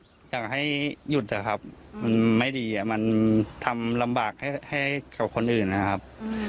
อยากให้หยุดนะครับมันไม่ดีมันทำลำบากให้กับคนอื่นนะครับ